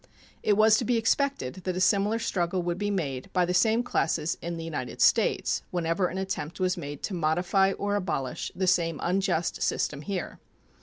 It was to be expected that a similar struggle would be made by the same classes in the United States whenever an attempt was made to modify or abolish the same unjust system here.